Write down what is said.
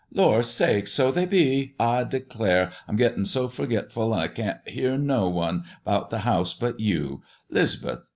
"Lor' sakes! so they be. I declare, I'm gittin' so forgitful, 'n' I can't hear no one 'bout the house but you, 'Lisbeth.